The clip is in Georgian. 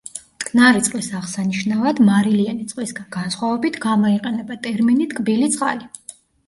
მტკნარი წყლის აღსანიშნავად, მარილიანი წყლისგან განსხვავებით, გამოიყენება ტერმინი „ტკბილი წყალი“.